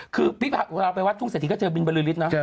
คือเราไปวัดทุ่งเศรษฐีก็เจอบินบริษฐ์เนาะ